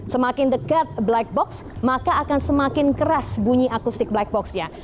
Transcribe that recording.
semakin dekat black box maka akan semakin keras bunyi akustik black boxnya